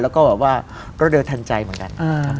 แล้วก็เริ่มเดินทันใจเหมือนกัน